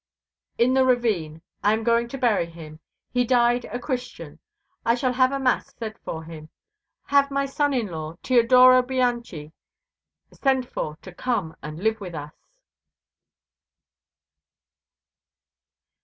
"In the ravine. I am going to bury him. He died a Christian. I shall have a mass said for him. Have my son in law, Tiodoro Bianchi, sent for to come and live with us."